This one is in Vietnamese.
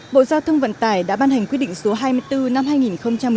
bộ giao thông vận tải đã ban hành quyết định số hai mươi bốn năm hai nghìn một mươi chín